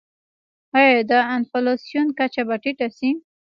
آیا د انفلاسیون کچه به ټیټه شي؟